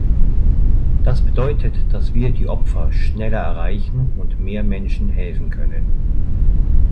Das bedeutet, dass wir die Opfer schneller erreichen und mehr Menschen helfen können.